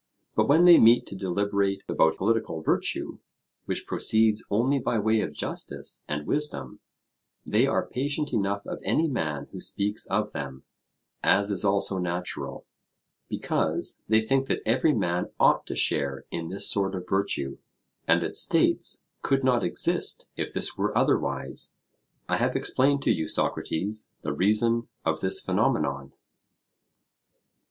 But when they meet to deliberate about political virtue, which proceeds only by way of justice and wisdom, they are patient enough of any man who speaks of them, as is also natural, because they think that every man ought to share in this sort of virtue, and that states could not exist if this were otherwise. I have explained to you, Socrates, the reason of this phenomenon.